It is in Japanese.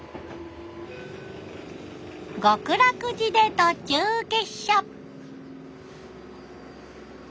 極楽寺で途中下車。